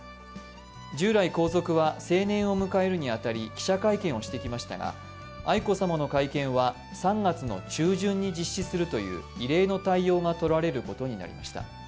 従来、皇族は成年を迎えるにあたり記者会見をしてきましたが、愛子さまの会見は３月の中旬に実施するという異例の対応がとられることになりました。